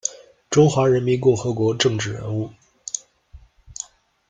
中华人民共和国政治人物。